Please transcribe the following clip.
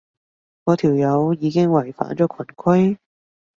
嗰條友已經違反咗群規